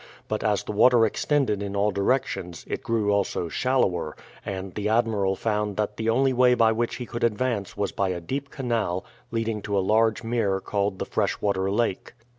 But as the water extended in all directions, it grew also shallower, and the admiral found that the only way by which he could advance was by a deep canal leading to a large mere called the Fresh Water Lake.